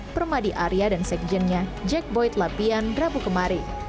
permadi arya dan sekjennya jack boyd lapian rabu kemari